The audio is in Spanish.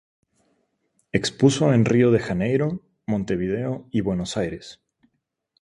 Expuso en Río de Janeiro, Montevideo y Buenos Aires.